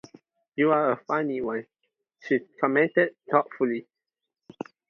"You're a funny one," she commented thoughtfully.